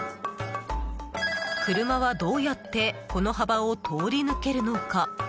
車はどうやってこの幅を通り抜けるのか。